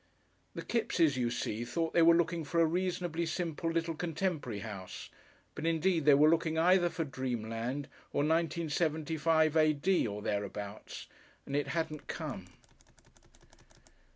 The Kippses, you see, thought they were looking for a reasonably simple little contemporary house, but indeed they were looking either for dreamland or 1975 A.D. or thereabouts, and it hadn't come.